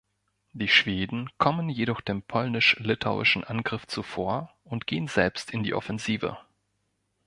Die Schweden kommen jedoch dem polnisch-litauischen Angriff zuvor und gehen selbst in die Offensive.